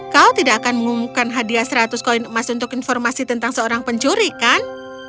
kau tidak akan mengumumkan hadiah seratus koin emas untuk informasi tentang seorang pencuri kan